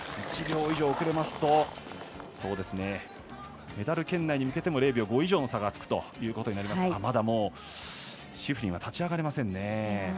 １秒以上遅れますとメダル圏内に向けても０秒５以上の差がつくことになりますがまだシフリンは立ち上がれませんね。